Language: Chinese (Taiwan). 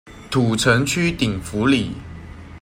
土城區頂福里